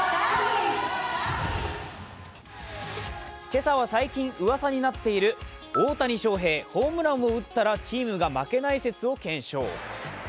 今朝は最近うわさになっている大谷翔平ホームランを打ったらチームが負けない説を検証。